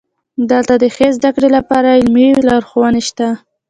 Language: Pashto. دلته د ښې زده کړې لپاره عملي لارښوونې شته.